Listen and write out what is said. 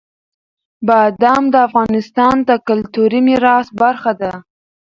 بادام د افغانستان د کلتوري میراث برخه ده.